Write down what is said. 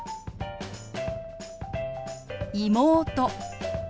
「妹」。